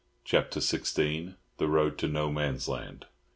CHAPTER XVI. THE ROAD TO NO MAN'S LAND.